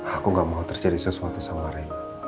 aku gak mau terjadi sesuatu sama lain